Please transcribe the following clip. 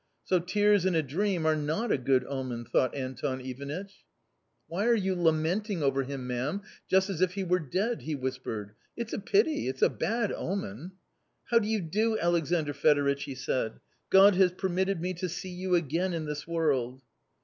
" So tears in a dream are not a good omen !" thought Anton Ivanitch. " Why are you lamenting over him, ma'am, just as if he were dead ?" he whispered ;" it's a pity ! It's a bad omen." " How do you do, Alexandr Fedoritch ?" he said ;" God has permitted me to see you again in this world."